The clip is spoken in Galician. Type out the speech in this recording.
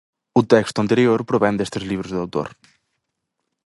O texto anterior provén destes libros do autor: